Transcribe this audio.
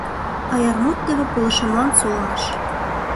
Аяр мут теве пылышемлан солныш.